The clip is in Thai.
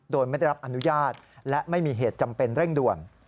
โดยไม่ได้รับอนุญาตและไม่มีเหตุจำเป็นเร่งด่วน